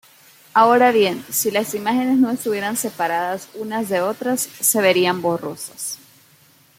Ahora bien, si las imágenes no estuvieran separadas unas de otras, se verían borrosas.